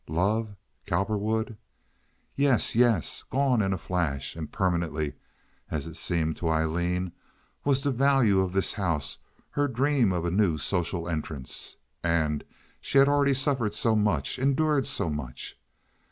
Love? Cowperwood? Yes! Yes! Gone in a flash, and permanently, as it seemed to Aileen, was the value of this house, her dream of a new social entrance. And she had already suffered so much; endured so much.